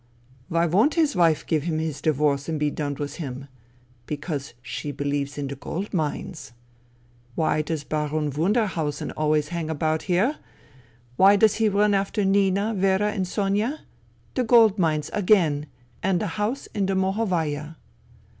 Why won't his wife give him his divorce and be done with him ? Because she believes in the gold mines. Why does Baron Wunderhausen always hang about here ? Why does he run after Nina, Vera and Sonia ? The gold mines again, and the house in the Mohovaya."